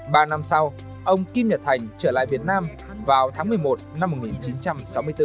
ba năm sau ông kim nhật thành trở lại việt nam vào tháng một mươi một năm một nghìn chín trăm sáu mươi bốn